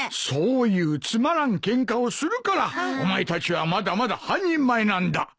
そういうつまらんケンカをするからお前たちはまだまだ半人前なんだ。